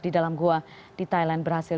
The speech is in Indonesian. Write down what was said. di dalam gua di thailand berhasil